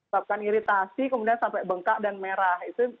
bahkan iritasi kemudian sampai bengkak dan merah